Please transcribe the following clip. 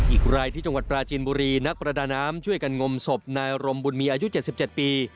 อีกรายที่จังหวัดปราจีนบุรีนักประดาน้ำช่วยกันงมศพนายรมบุญมีอายุ๗๗ปี